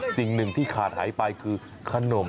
สิ่งหนึ่งที่ขาดหายไปคือขนม